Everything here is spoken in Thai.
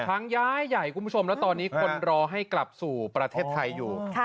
ย้ายใหญ่คุณผู้ชมแล้วตอนนี้คนรอให้กลับสู่ประเทศไทยอยู่